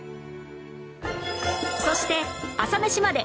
そして『朝メシまで。』